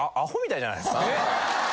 えっ！？